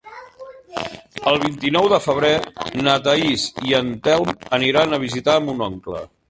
El vint-i-nou de febrer na Thaís i en Telm aniran a visitar mon oncle.